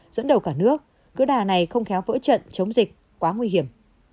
dẫn đầu cả nước cứ đà này không khéo vỡ trận chống dịch quá nguy hiểm